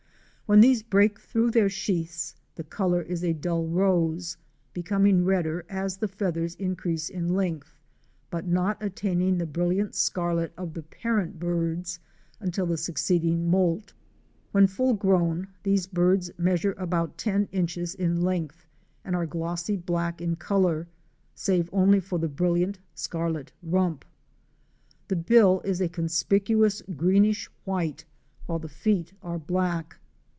When these break through their sheaths, the color is a dull rose; becom ing redder as the feathers increase in length, but not attaining the brilliant scarlet of the parent birds until the succeeding moult. When full grown, these birds measure about ten inches in length and are glossy black in color, save only for the brilliant scarlet rump. The bill is a conspicuous green ish white, while the feet are black.